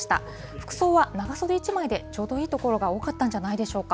服装は長袖１枚でちょうどいい所が多かったんじゃないでしょうか。